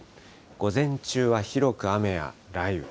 午前中は広く雨や雷雨。